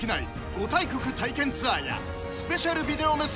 ５大国体験ツアーやスペシャルビデオメッセージが当たる！